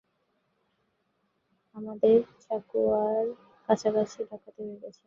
আমাদের চকুয়ার কাছারিতে ডাকাতি হয়ে গেছে!